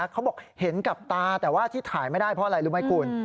เขาบอกเห็นกับตาแต่ว่าที่ถ่ายไม่ได้เพราะอะไรรู้ไหมคุณ